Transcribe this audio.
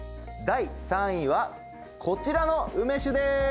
第３位はこちらの梅酒です。